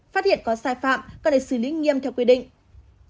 phát hiện có sai phạm có thể xử lý nghiêm theo quy định